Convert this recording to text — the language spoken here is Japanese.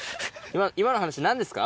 今の話何ですか？